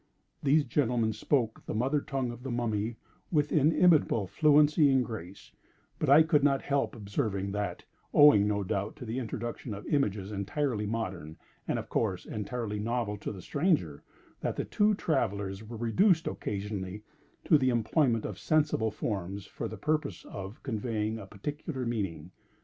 These gentlemen spoke the mother tongue of the Mummy with inimitable fluency and grace; but I could not help observing that (owing, no doubt, to the introduction of images entirely modern, and, of course, entirely novel to the stranger) the two travellers were reduced, occasionally, to the employment of sensible forms for the purpose of conveying a particular meaning.